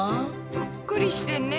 ぷっくりしてんね。